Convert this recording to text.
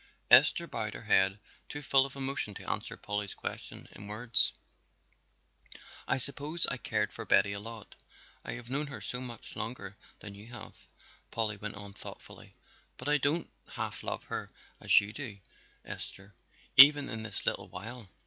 Esther bowed her head, too full of emotion to answer Polly's question in words. "I supposed I cared for Betty a lot, I have known her so much longer than you have," Polly went on thoughtfully, "but I don't half love her as you do, Esther, even in this little while.